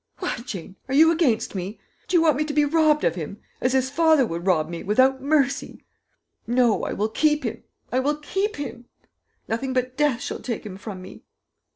"What, Jane! are you against me? Do you want me to be robbed of him, as his father would rob me without mercy? No, I will keep him, I will keep him! Nothing but death shall take him from me."